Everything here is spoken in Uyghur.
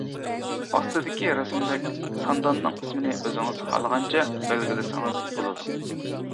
ئاستىدىكى رەسىمدەك، سانداننىڭ ئىسمىنى ئۆزىڭىز خالىغانچە بەلگىلىسىڭىز بولىدۇ.